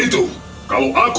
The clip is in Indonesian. saya sudah bekerja bersama kamu